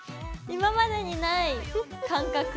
今までにない感覚。